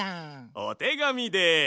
おてがみです！